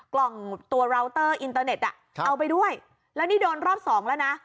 กล่องตัวราวเตอร์อินเตอร์เน็ตอ่ะเอาไปด้วยแล้วนี่โดนรอบสองแล้วนะ